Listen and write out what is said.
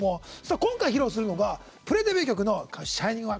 今回披露するのがプレデビュー曲「ＳｈｉｎｉｎｇＯｎｅ」。